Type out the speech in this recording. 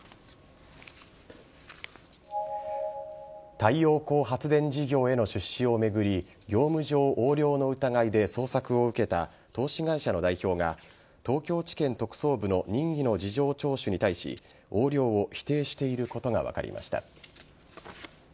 太陽光発電事業への出資を巡り業務上横領の疑いで捜索を受けた投資会社の代表が東京地検特捜部の任意の事情聴取に対し横領を否定していることが分かりました。